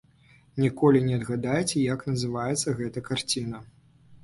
Ніколі не адгадаеце, як называецца гэта карціна.